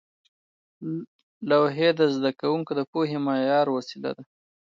لوحې د زده کوونکو د پوهې د معیار وسیله وې.